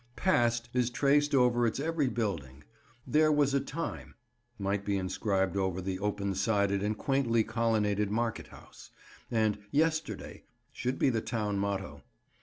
"Past" is traced over its every building. "There was a time" might be inscribed over the open sided and quaintly colonnaded market house; and "Yesterday" should be the town motto.